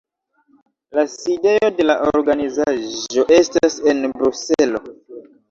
La sidejo de la organizaĵo estas en Bruselo.